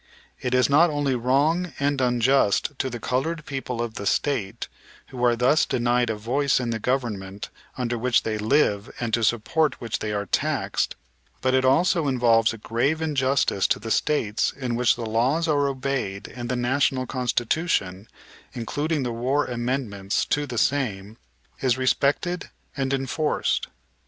It is not only wrong and unjust to the colored people of the State, who are thus denied a voice in the government under which they live and to support which they are taxed, but it also involves a grave injustice to the States in which the laws are obeyed and the National Constitution, including the war amendments to the same, is respected and enforced.